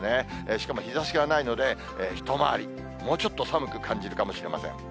しかも日ざしがないので、一回り、もうちょっと寒く感じるかもしれません。